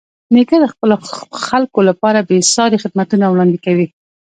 نیکه د خپلو خلکو لپاره بېساري خدمتونه وړاندې کوي.